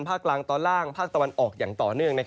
ภาคกลางตอนล่างภาคตะวันออกอย่างต่อเนื่อง